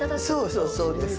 そうそう、そうです。